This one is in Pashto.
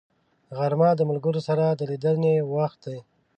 غرمه د ملګرو سره د لیدنې وخت دی